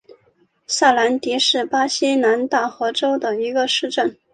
萨兰迪是巴西南大河州的一个市镇。